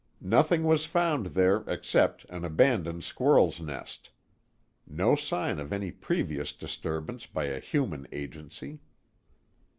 Nothing was found there except an abandoned squirrel's nest; no sign of any previous disturbance by a human agency.